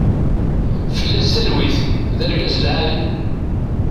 Fella-s talwit, d argaz lɛali.